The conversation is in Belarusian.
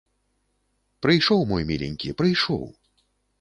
Прыйшоў мой міленькі, прыйшоў!